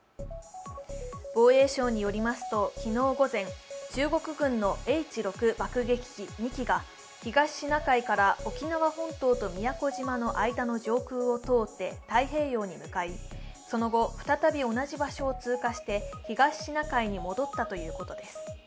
防衛省によりますと、昨日午前、中国軍のＨ−６爆撃機２機が東シナ海から沖縄本島と宮古島の間の上空を通って太平洋に向かいその後、再び同じ場所を通過して東シナ海に戻ったということです。